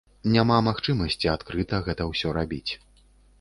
Няма магчымасці адкрыта гэта ўсё рабіць.